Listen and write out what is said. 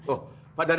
oh pak danadi